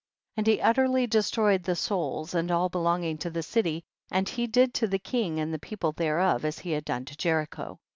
30. And he utterly destroyed the souls and all belonging to the city, and he did to the king and people thereof as he had done to Jericho.